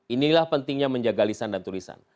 inilah pentingnya menjaga lisan dan tulisan